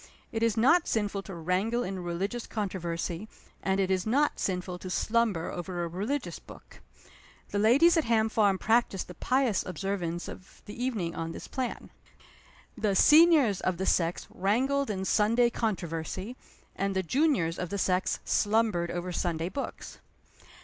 It is not sinful to wrangle in religious controversy; and it is not sinful to slumber over a religious book. The ladies at Ham Farm practiced the pious observance of the evening on this plan. The seniors of the sex wrangled in Sunday controversy; and the juniors of the sex slumbered over Sunday books.